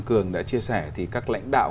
cường đã chia sẻ thì các lãnh đạo